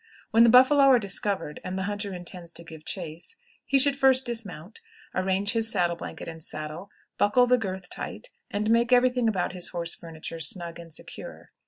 When the buffalo are discovered, and the hunter intends to give chase, he should first dismount, arrange his saddle blanket and saddle, buckle the girth tight, and make every thing about his horse furniture snug and secure.